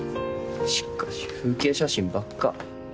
しかし風景写真ばっか。